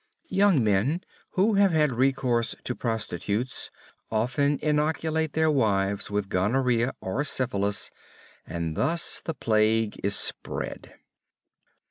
Young men who have had recourse to prostitutes, often inoculate their wives with gonorrhea or syphilis, and thus the plague is spread.